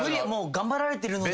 頑張られてるので。